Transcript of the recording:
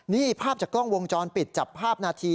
นี่ภาพจากกล้องวงจรปิดจับภาพนาที